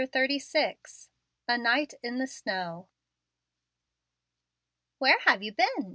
CHAPTER XXXVI. A NIGHT IN THE SNOW. "Where have you been?"